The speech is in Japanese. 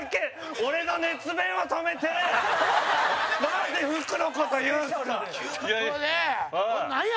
俺の熱弁を止めてなんで、服の事、言うんですか！